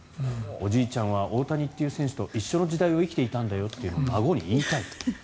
おじいちゃんは大谷という選手と一緒の時代を生きていたんだよと孫に言いたいと。